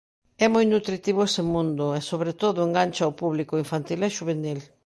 É moi nutritivo ese mundo e, sobre todo, engancha o público infantil e xuvenil.